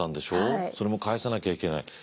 それも返さなきゃいけない。